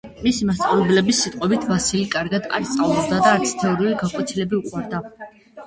მისი მასწავლებლების სიტყვებით, ვასილი კარგად არ სწავლობდა და არც თეორიული გაკვეთილები უყვარდა.